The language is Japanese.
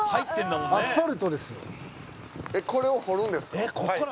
これを掘るんですか？